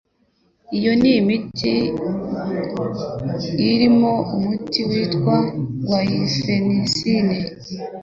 Iyo ni imiti irimo umuti witwa gwayifenesine.